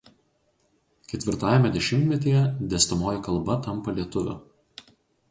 Ketvirtajame dešimtmetyje dėstomoji kalba tampa lietuvių.